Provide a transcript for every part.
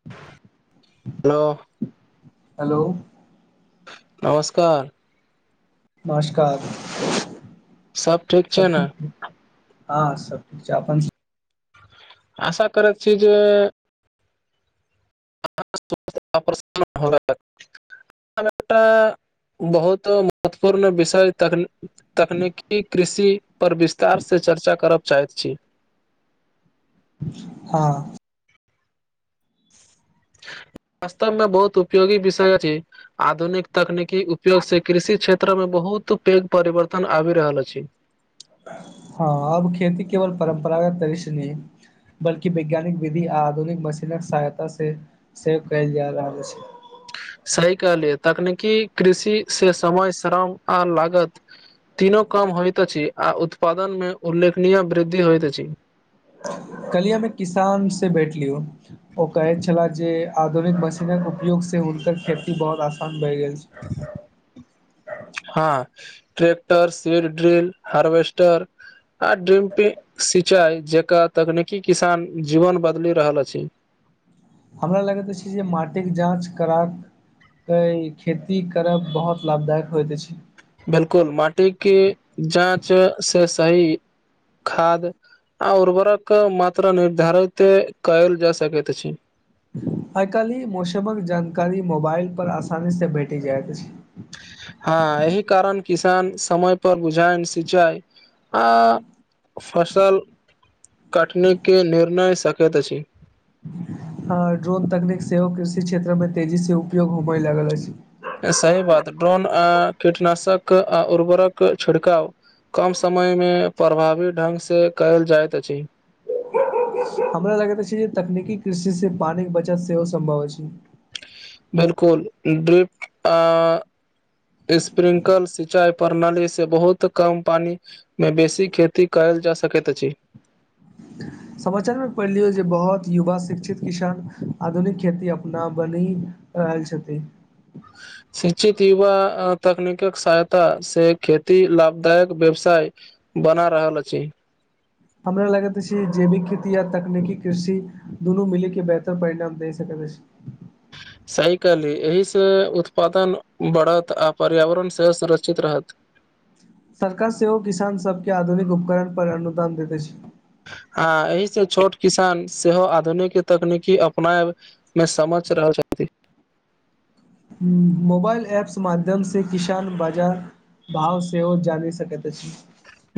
Hello hello नमस्कार नमस्कार सब छै सब ने ठीक छै हँ सब ठीक छै अपन सुनाउ। आशा करत छी जे [unintelligible] केल एकटा बहुत महत्वपूर्ण विषय तक तकनीकी कृषिपर विस्तारसँ चर्चा करब चाहैत छी। हँ [inaudible] वास्तवमे बहुत उपयोगी विषय अछि आधुनिक तकनीकी उपयोग से कृषि क्षेत्र में बहुत पैघ परिवर्तन आबि रहल अछि। हँ अब खेती केवल परम्परागत दृश्य नहि ह। बल्कि वैज्ञानिक विधि आ आधुनिक मशीन सहायता से सेव कयल जा रहल छै सही कहलेय तकनीकी कृषि से समय श्रम आ लागत तीनो काम होयत अछि आ उत्पादन में उल्लेखनीय वृद्धि होयत अछि। कहलियएमेमे किसान से बैठली ह ओ कहैत छलाह जे आधुनिक मशीनक उपयोग से हुनकर खेती बहुत आसान भए गेल छै [unintelligible] हँ ट्रैक्टर, सीडड्रिल, हार्वेस्टर आ ड्रिम पे सिंचाई जेकर तकनीकी किसान जीवन बदलि रहल अछि। हमरा लगैत अछि जे माटिक जाँच करा कय खेती करब बहुत लाभदायक होयत अछि। बिल्कुल माटिक क जाँच से सही खाद्य आ उर्वरक मात्रा निर्धारिते कयल जा सकैत अछि। आय काल्हि मौसम क जानकारी मोबाइल पर आसानीसँ भेटी जायत अछि हाँ एहि कारण किसान समय पर बुझाएन सिचाएन आ फसल काटने के निर्णय सकैत अछि। आ ड्रोन तकनीक सेहो कृषि क्षेत्र में तेजी से उपयोग होबय लगल अछि। ऐं सही बात ड्रोन ऐं कीटनाशक आ उर्वरक छिड़काव कम समय में प्रभावी ढंग सँ कयल जाइत अछि। हमरा लगैत अछि तकनीकी कृषि से पानिक बचत सेहो सम्भव अछि। बिल्कुल इंड्रिप्ट आं स्प्रिंकल सिंचाई प्रणाली से बहुत कम पानी मे बेसी खेती कयल जा सकैत अछि। समाचार में पढ़लियौ जे बहुत युवा शिक्षित किसान आधुनिक खेती अपना बनी रहल छथि [inaudible] शिक्षित युवा अ तकनीकक सहायता से खेती लाभदायक व्यवसाय बना रहल अछि। हमरा लगैत अछि जेविक खेती या तकनीकी कृषि दुनू मिली केँ बेहतर परिणाम दे सकत अछि। सही कहली एहि से उत्पादन बढ़त आ पर्यावरण सेहो सुरक्षित रहत। सरकार सेहो किसान सभ केँ आधुनिक उपकरण पर अनुदान दैत अछि। आ एहि से छोट किसान सेहो आधुनिक तकनीकी अपनायब में समक्ष रहल छलथिन। मोबाइल एप्स माध्यम से किसान बाजार भाव सेहो जानय सकैत अछि।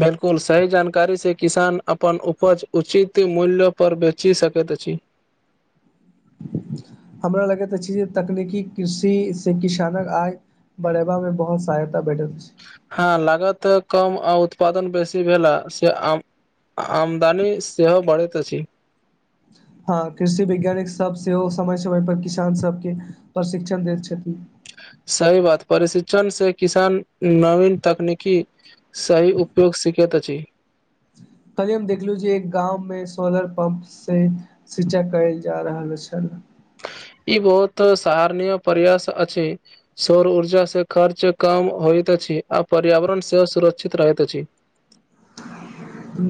बिल्कुल सही जानकारी सँ किसान अपन उपज उचित मूल्य पर बेचि सकैत अछि। हमरा लगैत अछि जे तकनीकी कृषि से किसानक आय बढ़ेबा में बहुत सहायता भेटत अछि। हाँ लागत कम आ उत्पादन बेसी भेल ह से आम आमदनी सेहो बढ़ैत अछि। आं कृषि वैज्ञानिक सब सेहो समय समय पर किसान सब केँ प्रशिक्षण देत छथिन। सही बात परिशिक्षण से किसान नवीन तकनीकी सही उपयोग सिखैत अछि। कल्हे हम देखलु जे एक गाँव मे सोलर पम्प से सिंचाय कयल जा रहल छल। ई बहुत सहारनीय परयास अछि। सौर ऊर्जा से खर्च कम होइत अछि। आ पर्यावरण सेहो सुरक्षित रहैत अछि।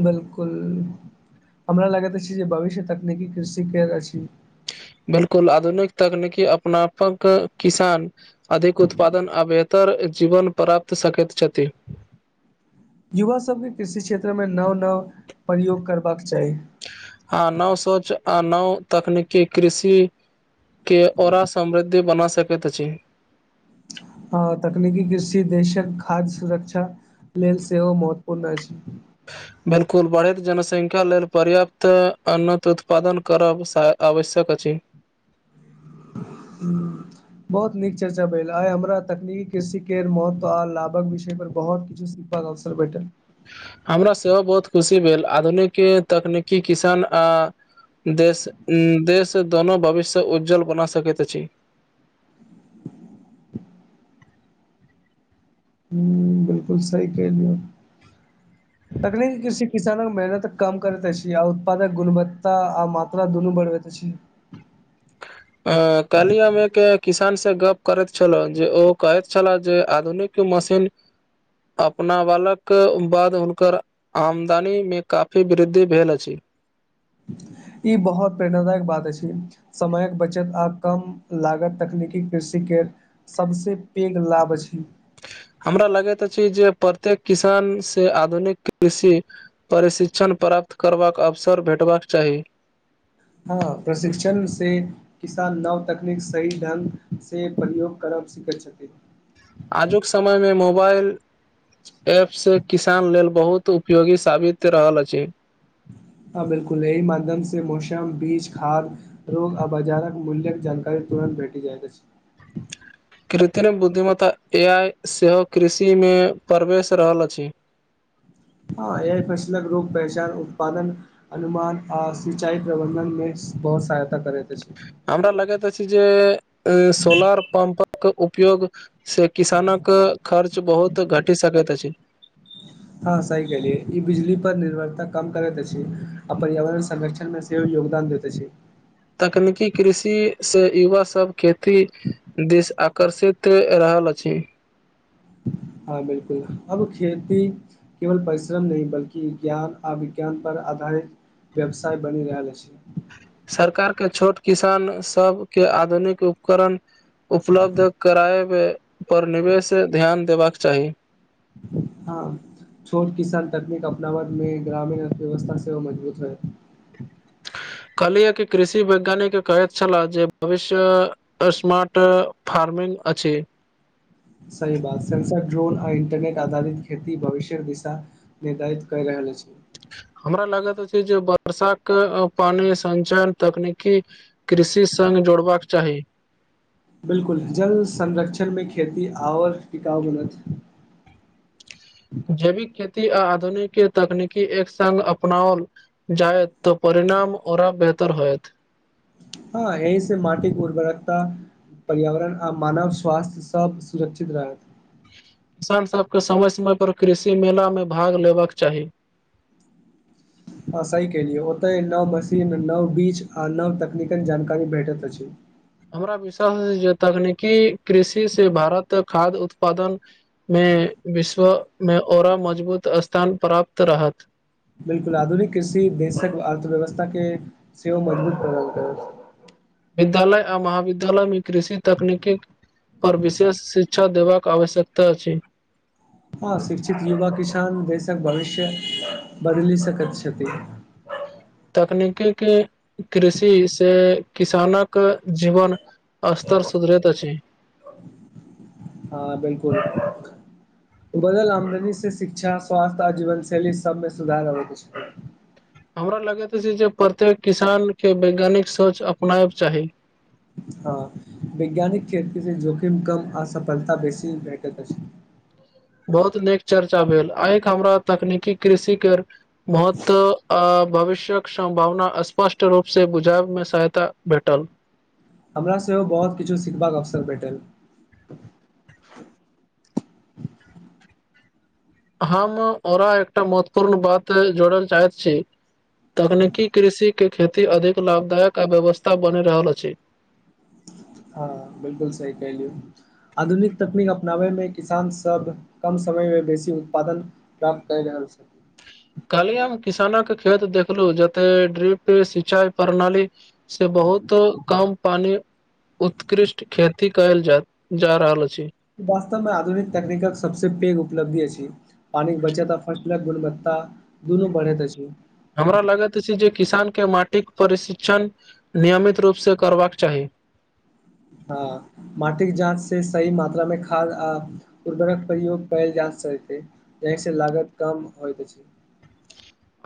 बिल्कुल हमरा लागैत अछि जे भविष्य तकनीकी कृषिक केर अछि। बिल्कुल आधुनिक तकनीकी अपनापक किसान अधिक उत्पादन आ बेहतर एक जीवन प्राप्त सकैत छथिन। युवा सभके कृषि क्षेत्रमे नव-नव प्रयोग करबाक चाही। आ नव सोच आ नव तकनीकी कृषि कोँ औरा समृद्धि बना सकैत अछि। आ तकनीकी कृषि देशक खाद्य सुरक्षा लेल सेहो महत्वपूर्ण अछि। बिल्कुल बढ़ैत जनसंख्या लेल पर्याप्त अन्नत उत्पादन करब स आवश्यक अछि। [unintelligible] बहुत नीक चर्चा भेल आय हमरा तकनीक कृषि केर महत्व आ लाभक विषय पर बहुत किछु सिक बाक अबसर भेटल। हमरा सेहो बहुत खुशी भेल, आधुनिकेँ तकनीकी किसान आ देश देश दोनो भविष्य उज्ज्वल बना सकैत अछि। हु बिल्कुल सही कहैलिए तकनीकी कृषि किसानक मेहनत कम करैत अछि। आ उत्पादक गुणवत्ता आ मात्रा दुनू बढ़बैत अछि। अ कहली हम एके किसान से गप करैत छला जे ओ कहैत छला जे आधुनिक मशीन [inaudible] अपनावाला क बाद हुनकर आमदनी मे काफी वृद्धि भेल अछि ई बहुत प्रेरणादायक बात अछी समयक बचत आ कम लागत तकनीकी कृषि केँ सभ से पैघ लाभ अछि हमरा लगैत अछि जे प्रत्येक किसान से आधुनिक कृषि प्रशिक्षण प्राप्त करबाक अवसर भेटबाक चाही हँ प्रशिक्षण से किसान नव तकनीक सही ढंग से प्रयोग करब सिखैत छथिन आजुक समय मे मोबाइल एप से किसान लेल बहुत उपयोगी साबित रहल अछि हँ बिल्कुल अइ माध्यम से मौसम बीज खाद रोग आ बाजारक मूल्यक जानकारी तुरन्त भेटी जाय अछि कृत्रिम बुद्धिमत्ता ए आइ सेहो कृषिमे प्रवेश रहल अछि हँ एहि फसलक रोग पहचान उत्पादन अनुमान आ सिंचाई प्रबंधन मे स बहुत सहायता करकेँ अछि हमरा लगैत अछि जे सोलर पम्पक उपयोग से किसानक खर्च बहुत घटि सकैत अछि हँ सही केलियै ई बिजली पर निर्भरता कम करते अछि आ पर्यावरण संगरक्षण मे सेहो योगदान दैते अछि तकनीकी कृषि से युवा सब खेती देिश आकर्षित रहल अछि हँ बिल्कुल अब खेती केवल परिश्रम नहि बल्कि ज्ञान अ विज्ञान पर आधारित व्यवसाय बनि गैल अछि सरकार केँ छोट किसान सबकेँ आधुनिक उपकरण उपलब्ध कराए पे पर निवेश ध्यान देबाक चाहि [inaudible] हँ छोट किसान तकनीक अपनावैमे ग्रामीण अर्थव्यवस्था सेहो मजबूत हय कहलियै कि कृषि वैज्ञानिक कहैत छल जे भविष्य अस्मार्ट र्फार्मिंग अछि सही बात सेंशर ड्रोन आ इन्टरनेट आधारित खेती भविष्य दिशा निर्धारित कऽ रहल अछि हमरा लागैत अछि जे बर्षा कऽ पानि संचयन तकनीकी कृषि संग जोड़बाक चाहि बिल्कुल जल संरक्षण मे खेती और टिकाउ बनत जैविक खेती आ आधुनिक तकनीकी एक संग अपनाओल जाएत तऽ परिणाम ओरा बेतर होयत हँ एहि स माटिक उर्बरकता पर्यावरण आ मानव स्वास्थ्य सभ सुरक्षित रहत किसान सबकेँ समय समय पर कृषि मेला मे भाग लेबक चाही ह सहि केेलिय ओतय नव मशीन नव बीच आ नव तकनीकल जानकारी भेटैत अछि हमरा विश्वास जे तकनीकी कृषि से भारत खाद्य उत्पादन मे विश्व मे औरा मजबूत स्थान प्राप्त रहत बिल्कुल आधुनिक कृषि देशक अर्थव्यवस्था केँ सेहो मजबूत करल करैत विद्यालय आ महाविद्यालय मे कृषि तकनीकी पर विशेष शि क्षा देबाक आवश्यकता अछि हँ शिक्षित युवा किसान देसक भविष्य बदलि सकै छथि तकनीकी कऽ कृषि से किसानक जीवन अस्तर सुधरैत अछि हँ बिल्कुल [unintelligible] बढ़ल आमदनी से शिक्षा स्वास्थ्य आ जीवन शैली सबमे सुधार आबैत ऐछ। हमरा लगैत छै जे प्रत्येक किसान केँ वैज्ञानिक सोच अपनायब चाही हँ वैज्ञानिक खेत स जोखिम कम आ सफलता बेसी भेटैत अछि बहुत नीक चर्चा भेल आइक हमरा तकनीकी कृषि केर भूत आ भविष्यक सम्भावना स्पष्ट रूपसँ बुझायबमे सहायता भेटल। हमरा सेहो बहोत किछु सिखबाक अवसर भेटल। [inaudible] हम औरा एकटा महत्वपूर्ण बात जोड़ल चाहैत छी। तकनीकी कृषि के खेती अधिक लाभदायक आ व्यवस्था बनि रहल अछि। हँ बिलकुल सही कहलियौ। आधुनिक तकनीक अपनाबैमे किसान सब कम समयमे बेसी उत्पादन काम कय रहल छल। कालहि हम किसानक खेत देखलु जते ड्रिप सिंचाई प्रणाली से बहुत कम पानी उत्कृष्ट खेती करल जा जा रहल अछि। ई वास्तव मे आधुनिक तकनीकक सबसँ पैघ उपलब्धि अछि। पानीक बचत आ फसलक गुणवत्ता दुनू बढ़ैत अछि। हमरा लगैत अछि जे किसान के माटिक प्रशिक्षण नियमित रूप से करबाक चाही। हँ माटिक जाँच से सही मात्रा मे खाद आ उर्वरक प्रयोग कयल जा सकै। एहिसे लागत कम होइत अछि।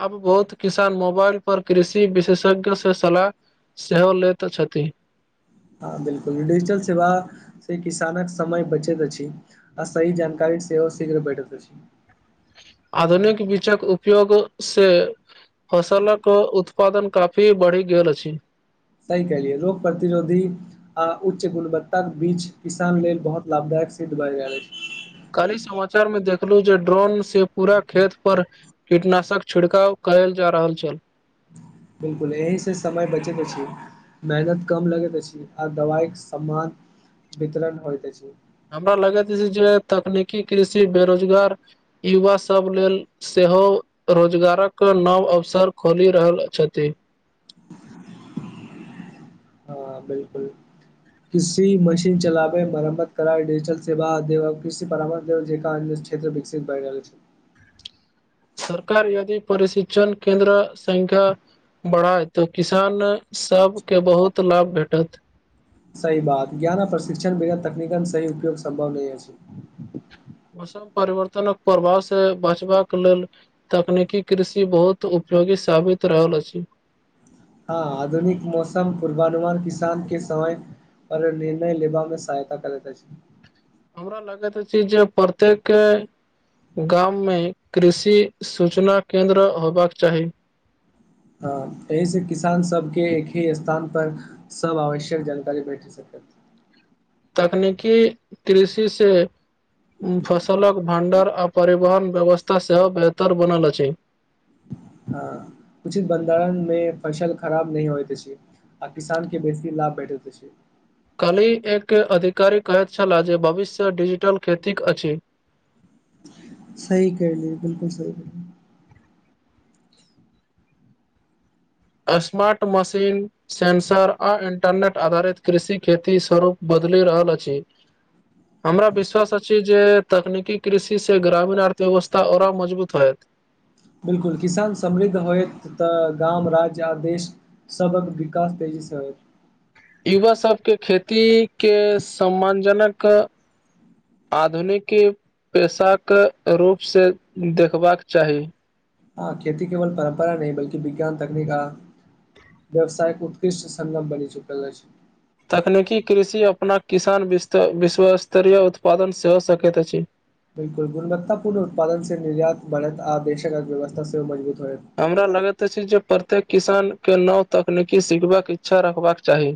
आब बहुत किसान मोबाइल पर कृषि विशेषज्ञ सँ सलाह सेहो लैत छथि। हँ बिलकुल डिजिटल सेवा से किसानक समय बचैत अछि। आ सही जानकारी सेहो शीघ्र भेटैत अछि। आधुनीक बीचक उपयोग से फसलक उत्पादन काफी बढ़ी गेल अछि। सही कहलियै रोग प्रतिरोधी आ उच्च गुणवत्ताक बीच किसान लेल बहुत लाभदायक सिद्ध भय रहल अछि। काल्हि समाचार मे देखलु जे ड्रोन से पुरा खेत पर कीटनाशक छिड़काव कयल जा रहल छल। बिल्कुल एहिसँ समय बचैत अछि। मेहनत कम लगैत अछि आ दवाइक समान वितरण होइत अछि। हमरा लगैत अछि जे तकनीकी कृषि बेरोजगार युबा सब लेल सेहो रोजगारक नव अवसर खोलि रहल अ छथि। हँ हँ बिल्कुल। कृषि मशीन चलाबै मरम्मत कराय डिजिटल सेवा दे कृषि परामर्श अधिकार मे विकसित भइ रहल छै। सरकार यदि परिशिक्षण केन्द्र संख्या बढ़ाय तो किसान सबके बहुत लाभ भेटत। सही बात ज्ञान आ प्रशिक्षण बिना तकनीकन ससही उपयोग सम्भव नहि अछि। मौसम परिवर्तनक प्रभाव से बचबाक लेल तकनीकी कृषि बहुत उपयोगी साबित रहल अछि। हँ आधुनिक मौसम पूर्वानुमान किसान के समय अगर निर्णय लेबा मे सहायता करैत अछि। हमरा लगैत अछि जे प्रत्येके गाममे कृषि सूचना केन्द्र होएबाक चाही। हं एहिसँ किसानसभके एक हि स्थानपर सब आवश्यक जानकारी भेठि सकत तकनीकी कृषि से उॅं फसलक भण्डर आ परिवहन व्यवस्था सेहो बेहतर बनल अछि हा उचित भण्डारण मे फसल खराब नहि होइत अछि आ किसान के बेसी लाभ भेटैत अछि कल्हि एक अधिकारी कहैत छलाह जे भविष्य डिजिटल खेतीक अछि सहि [unintelligible] बिलकुल सहि अस्मार्ट मशीन सेंसर आ इंटरनेट आधारित कृषि खेती स्वरूप बदले रहल अछि [inaudible] हमरा विश्वास अछि जे तकनीकी कृषि से ग्रामीण अर्थव्यवस्था औरा मजबूत होयत बिलकुल किसान समृद्ध होयत तऽ गाम राज्य आ देश सबभक बिकास तेजी सॅं [unintelligible] युवा सभके खेती के सम्मानजनक आधुनिक पेशाकऽ रूपसँ देखबाक चाही आ खेती केवल परम्परा नई बल्कि विज्ञान तकनीक आ व्यवसायिक उत्कृष्ट संगम बनी चुकल अछि तकनीकी कृषि अपना किसान बिस्थ विश्वस्तरीय उत्पादन सेहो सकैत अछि बिल्कुल गुणवत्तापूर्ण उत्पादनसे निर्यात बढ़ैत आ देशक अर्थव्यवस्था सेहो मजबूत होयत हमरा लगेत अछि जे प्रत्येक किसान के नव तकनीकी सिखबाक इच्छा रखबाक चाही